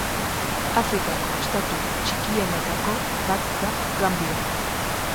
Afrikako estatu txikienetako bat da Gambia.